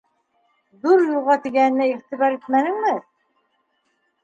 «Ҙур юлға» тигәненә иғтибар итмәнеңме?